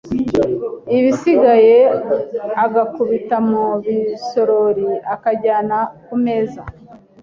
ibisigaye agakubita mu bisorori akajyana ku meza,